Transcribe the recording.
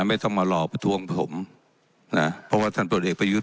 ไม่ต้องมารอประท้วงผมนะเพราะว่าท่านตรวจเอกประยุทธ์